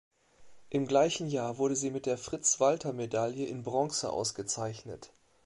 Im gleichen Jahr wurde sie mit der Fritz-Walter-Medaille in Bronze ausgezeichnet.